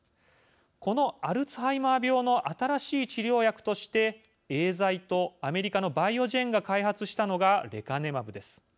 このアルツハイマー病の新しい治療薬としてエーザイとアメリカのバイオジェンが開発したのがレカネマブです。